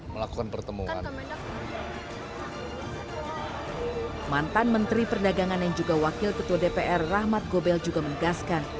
mantan menteri perdagangan yang juga wakil ketua dpr rahmat gobel juga menggaskan